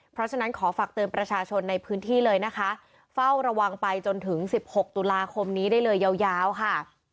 เพราะฉะนั้นขอฝากเตือนประชาชนในพื้นที่เลยนะคะเฝ้าระวังไปจนถึง๑๖ตุลาคมนี้ได้เลยยาวค่ะ